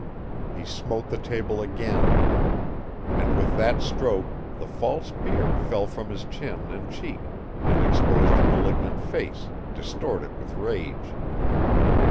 He smote the table again; and with that stroke the false beard fell from his chin and cheek, and exposed the malignant face, distorted with rage.